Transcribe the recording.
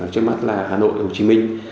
trên mắt là hà nội hồ chí minh